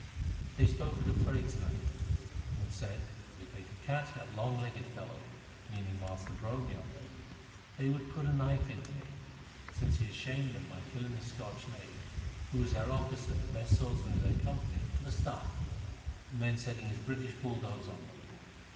They spoke of the fray to night, and said that if they could catch that long legged fellow, meaning Master Brome yonder, they would put a knife into him, since he had shamed them by killing the Scotch knave, who was their officer and the best swordsman in their company, with a staff, and then setting his British bulldogs on them.